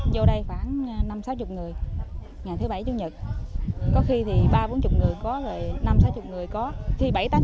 đồ thiên nhiên đồ dường